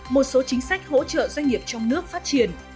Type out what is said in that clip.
một số chính sách hỗ trợ doanh nghiệp trong nước phát triển